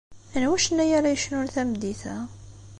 Anwa acennnay ara yecnun tameddit-a?